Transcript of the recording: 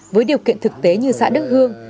với điều kiện thực tế như xã đức hương